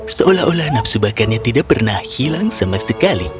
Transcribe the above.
seolah olah napsubakannya tidak pernah hilang sama sekali